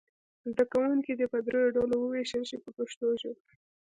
زده کوونکي دې په دریو ډلو وویشل شي په پښتو ژبه.